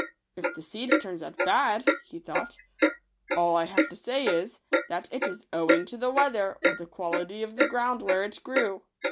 " If the seed turns out bad," he thought, " all I have to say is, that it is owing to the weather, or the quality of the ground where it grew."